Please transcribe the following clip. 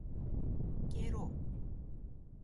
げろ